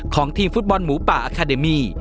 ของทีมฟุตบอลหมูป่าอาคาเดมี่